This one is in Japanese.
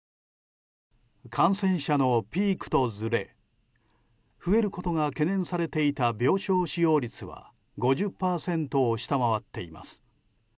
感染者のピークとずれ増えることが懸念されていた病床使用率は５０％を下回っています。